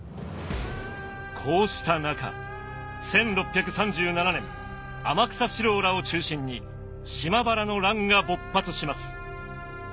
こうした中１６３７年天草四郎らを中心に島原の乱が勃発します。